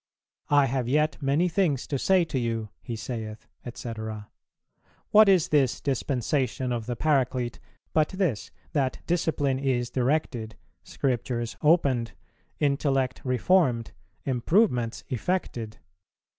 'I have yet many things to say to you,' He saith, &c. What is this dispensation of the Paraclete but this, that discipline is directed, Scriptures opened, intellect reformed, improvements effected?